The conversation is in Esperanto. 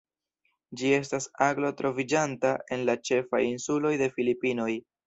Ĝi estas aglo troviĝanta en la ĉefaj insuloj de Filipinoj.